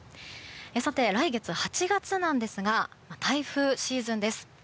さて、来月８月なんですが台風シーズンです。